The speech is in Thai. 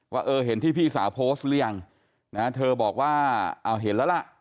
ว่าเออเห็นที่พี่สาวโพสต์หรือยังนะเธอบอกว่าเอาเห็นแล้วล่ะ